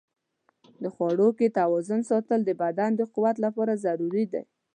د خواړو کې توازن ساتل د بدن د قوت لپاره ضروري دي.